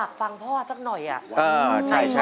ค่ะโอเคคุณฮ่าอยากฟังพ่อสักไหนอ่ะ